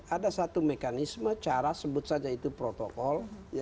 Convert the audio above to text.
ada satu mekanisme cara sebut saja itu protokol